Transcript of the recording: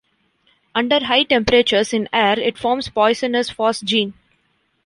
Under high temperatures in air, it forms poisonous phosgene.